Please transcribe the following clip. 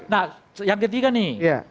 nah yang ketiga nih